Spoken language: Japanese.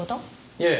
いえ